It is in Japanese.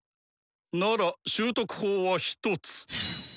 なら習得法はひとつ！